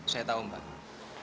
saya tahu mbak